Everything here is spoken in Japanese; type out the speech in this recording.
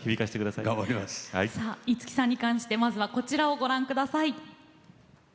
さあ五木さんに関してまずはこちらをご覧下さい。